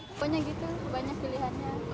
pokoknya gitu banyak pilihannya